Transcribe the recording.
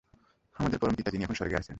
আমাদের পরম পিতা, যিনি এখন স্বর্গে আছেন!